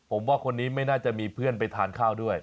ผมว่าคนนี้ไม่น่าจะมีเพื่อนไปทานข้าวด้วย